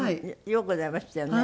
ようございましたよね。